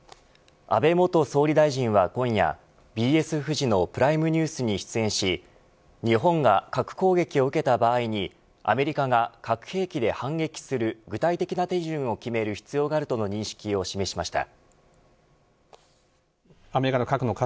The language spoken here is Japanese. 安倍元総理大臣は今夜ＢＳフジのプライムニュースに出演し日本が核攻撃を受けた場合にアメリカが核兵器で反撃する具体的な手順を決める必要があるとの認識を示しました。